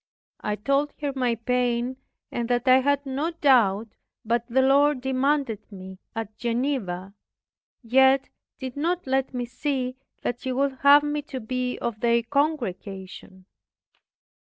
I told her my pain, and that I had no doubt but the Lord demanded me at Geneva, yet did not let me see that He would have me to be of their congregation.